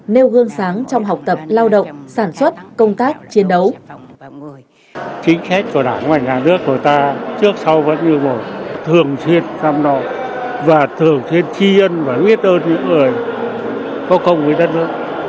nêu gương sáng trong học tập lao động sản xuất công tác chiến đấu